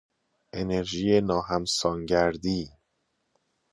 انرژی ناهمسانگردی